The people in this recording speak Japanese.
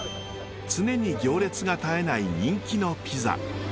常に行列が絶えない人気のピザ。